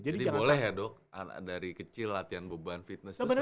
jadi boleh ya dok dari kecil latihan beban fitness itu sekarang gak apa apa ya